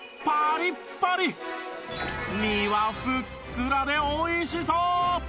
身はふっくらで美味しそう！